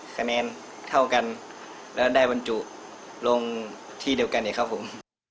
คะแนนเท่ากันและได้บรรจุลงที่เดียวกันอีกครับผม